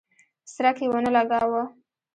څرک یې ونه لګاوه.